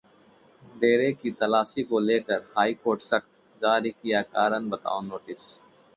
डेरे की तलाशी को लेकर हाईकोर्ट सख्त, जारी किया कारण बताओ नोटिस